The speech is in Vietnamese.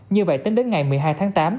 như vậy tính đến ngày một mươi hai tháng tám